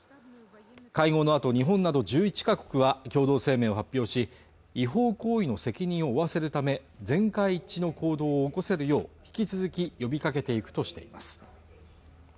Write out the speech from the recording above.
会合のあと日本など１１か国は共同声明を発表し違法行為の責任を負わせるため全会一致の行動を起こせるよう引き続き呼びかけていくとしています